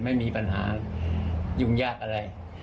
ไม่มีปัญหายุ่งยากอะไร